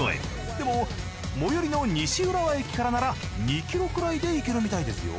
でも最寄りの西浦和駅からなら２キロくらいで行けるみたいですよ。